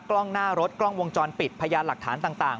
กล้องหน้ารถกล้องวงจรปิดพยานหลักฐานต่าง